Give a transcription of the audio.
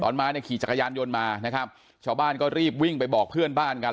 มาเนี่ยขี่จักรยานยนต์มานะครับชาวบ้านก็รีบวิ่งไปบอกเพื่อนบ้านกัน